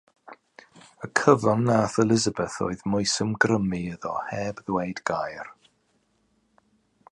Y cyfan wnaeth Elisabeth oedd moesymgrymu iddo heb ddweud gair.